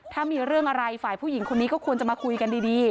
ถ้ามีเรื่องอะไรฝ่ายผู้หญิงคนนี้ก็ควรจะมาคุยกันดี